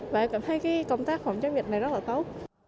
và em cảm thấy công tác phòng chống dịch này rất là tốt